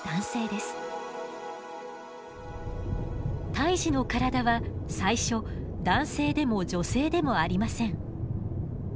胎児の体は最初男性でも女性でもありません。